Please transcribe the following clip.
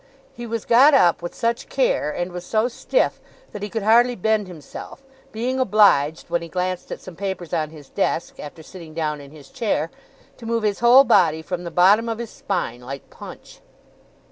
He was got up with such care, and was so stiff, that he could hardly bend himself; being obliged, when he glanced at some papers on his desk, after sitting down in his chair, to move his whole body, from the bottom of his spine, like Punch.